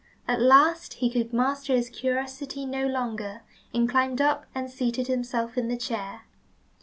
At last he could master his curiosity no longer, and climbed up and seated himself in the chair.